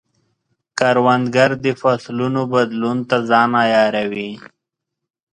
کروندګر د فصلونو بدلون ته ځان عیاروي